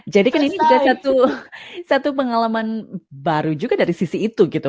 jadi kan ini juga satu pengalaman baru juga dari sisi itu gitu